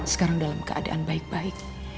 sekarang dalam keadaan baik baik